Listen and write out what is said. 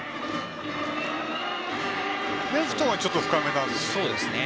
レフトはちょっと深めなんですね。